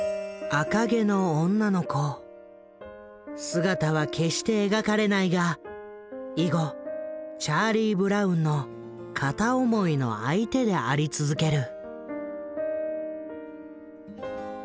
姿は決して描かれないが以後チャーリー・ブラウンの片思いの相手であり続ける。